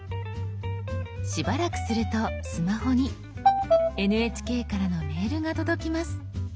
しばらくするとスマホにＮＨＫからのメールが届きます。